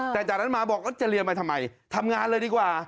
แต่จากนั้นมาบอกว่าจะเรียนมาทำไมทำงานเลยดีกว่า